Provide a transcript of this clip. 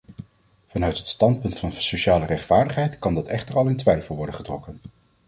Vanuit het standpunt van sociale rechtvaardigheid kan dat echter al in twijfel worden getrokken.